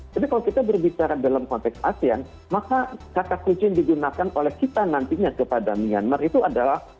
tapi kalau kita berbicara dalam konteks asean maka kata kunci yang digunakan oleh kita nantinya kepada myanmar itu adalah